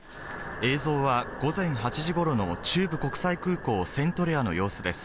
映像は午前８時頃の中部国際空港・セントレアの様子です。